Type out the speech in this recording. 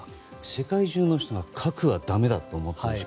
世界中の人が核はだめだと思っているし